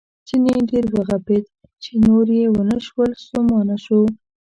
چیني ډېر وغپېد چې نور یې ونه شول ستومانه شو.